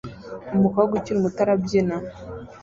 Umukobwa ukiri muto arabyina